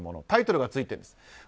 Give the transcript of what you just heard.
タイトルがついています。